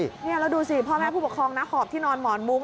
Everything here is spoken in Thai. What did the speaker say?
นี่แล้วดูสิพ่อแม่ผู้ปกครองนะหอบที่นอนหมอนมุ้ง